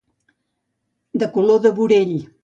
De color de burell.